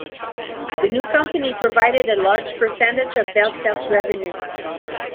The new company provided a large percentage of BellSouth's revenue.